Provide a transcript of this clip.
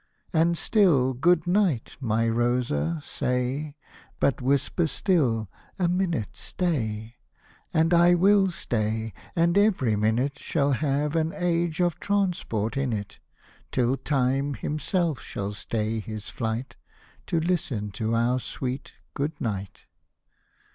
" And still " Good night," my Rosa, say — But whisper still, "A minute stay" ; And I will stay, and every minute Shall have an age of transport in it ; Till Time himself shall stay his flight, To listen to our sweet " Good night."